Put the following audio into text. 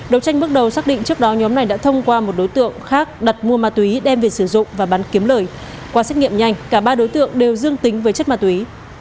đầu tranh bước đầu xác định trước đó nhóm này đã thông qua một đối tượng khác đặt mua ma túy đem về sử dụng và bán kiếm lời qua xét nghiệm nhanh cả ba đối tượng đều dương tính với chất ma túy